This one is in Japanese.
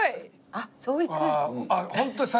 あっそういくんだ。